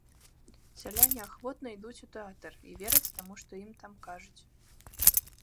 Сяляне ахвотна ідуць у тэатр і вераць таму, што ім там кажуць.